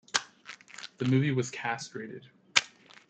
The movie was castrated.